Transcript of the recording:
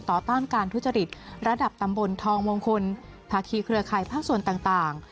ต้านการทุจริตระดับตำบลทองมงคลภาคีเครือข่ายภาคส่วนต่าง